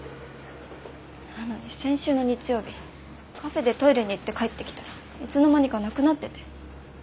なのに先週の日曜日カフェでトイレに行って帰ってきたらいつの間にかなくなってて。